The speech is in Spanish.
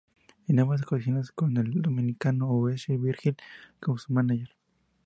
En ambas ocasiones, con el dominicano Ozzie Virgil como su mánager.